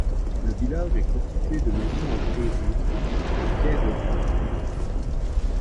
Le village est constitué de maisons en grès rouge, la pierre locale.